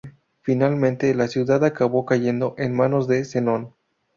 Finalmente, la ciudad acabó cayendo en manos de Zenón.